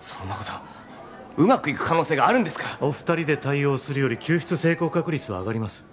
そんなことうまくいく可能性があるんですかお二人で対応するより救出成功確率は上がります